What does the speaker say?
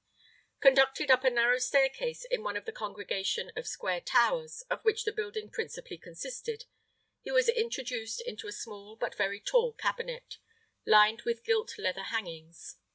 Conducted up a narrow stair case, in one of the congregation of square towers, of which the building principally consisted, he was introduced into a small, but very tall cabinet, lined with gilt leather hangings.